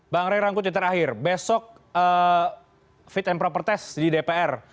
bang ray rangkuti terakhir besok fit and proper test di dpr